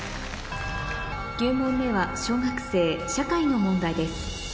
９問目は小学生社会の問題です